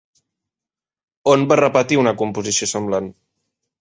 On va repetir una composició semblant?